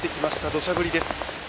どしゃ降りです。